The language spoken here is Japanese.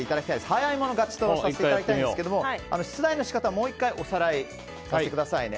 早い者勝ちとさせていただきたいんですけども出題の仕方をもう１回おさらいさせてくださいね。